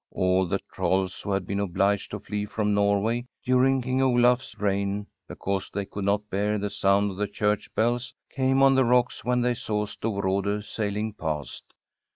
All the trolls who had been obliged to flee from Norway during King Olaf s reign because they could not bear the sound of the church bells came on the rocks when they saw Storrade sailing past.